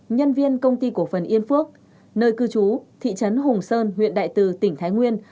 nhân viên công ty cổ phần yên phước nơi cư trú thị trấn hùng sơn huyện đại từ tỉnh thái nguyên